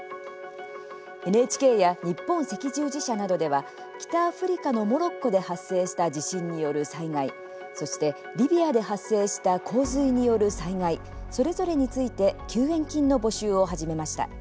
ＮＨＫや日本赤十字社などでは北アフリカのモロッコで発生した地震による災害そして、リビアで発生した洪水による災害それぞれについて救援金の募集を始めました。